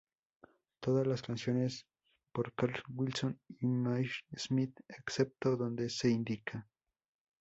Todas las canciones por Carl Wilson y Myrna Smith excepto donde se indica.